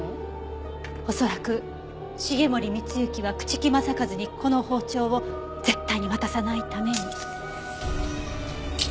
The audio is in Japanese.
恐らく繁森光之は朽木政一にこの包丁を絶対に渡さないために。